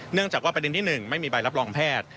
เนื่องจากว่าประเด็นที่๑ไม่มีใบรับรองแพทย์